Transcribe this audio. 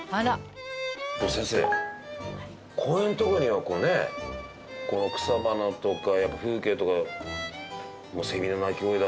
先生公園とかにはこうね草花とか風景とか蝉の鳴き声だ